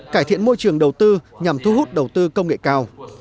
cải thiện môi trường đầu tư nhằm thu hút đầu tư công nghệ cao